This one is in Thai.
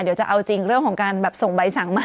เดี๋ยวจะเอาจริงเรื่องของการแบบส่งใบสั่งมา